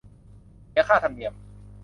เสียค่าธรรมเนียม